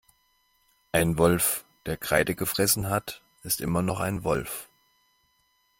Ein Wolf, der Kreide gefressen hat, ist immer noch ein Wolf.